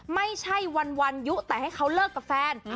ไม่ใช่วันยุแต่ให้เขาเลิกกับแฟน